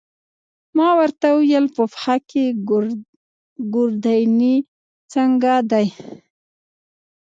ما ورته وویل: په پښه کې، ګوردیني څنګه دی؟